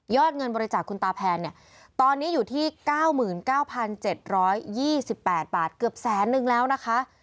เงินบริจาคคุณตาแพนเนี่ยตอนนี้อยู่ที่๙๙๗๒๘บาทเกือบแสนนึงแล้วนะคะ